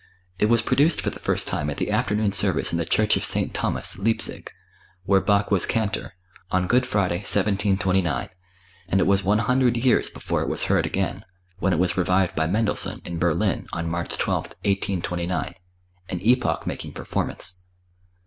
It was produced for the first time at the afternoon service in the Church of St. Thomas, Leipzig, where Bach was Cantor, on Good Friday, 1729, and it was one hundred years before it was heard again, when it was revived by Mendelssohn, in Berlin, on March 12th, 1829 an epoch making performance.